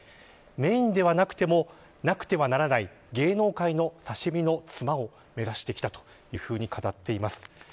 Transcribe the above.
メーンではなくてもなくてはならない芸能界の刺身のツマを目指してきたと語っています。